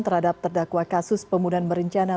terhadap terdakwa kasus pemudan merencana